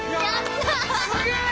すげえ！